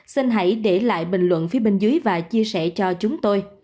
xin hãy để lại bình luận phía bên dưới và chia sẻ cho chúng tôi